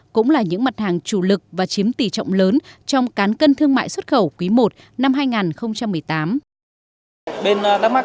cũng là những mặt hàng chủ lực và chiếm tỷ trọng lớn trong cán cân thương mại xuất khẩu quý i năm hai nghìn một mươi tám